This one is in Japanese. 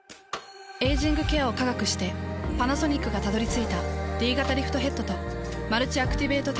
エイジングケアを科学してパナソニックがたどり着いたＤ型リフトヘッドとマルチアクティベートテクノロジー。